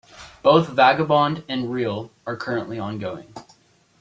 Both "Vagabond" and "Real" are currently ongoing.